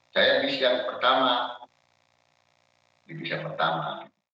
saya di siang pertama di siang pertama